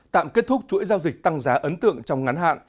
tạm kết thúc chuỗi giao dịch tăng giá ấn tượng trong ngắn hạn